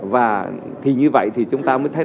và thì như vậy thì chúng ta mới có một cơ hội hợp